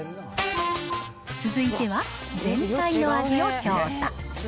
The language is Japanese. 続いては全体の味を調査。